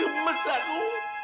eh gemes aku